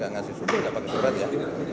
enggak ngasih surat ya